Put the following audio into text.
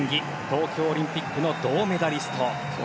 東京オリンピックの銅メダリスト。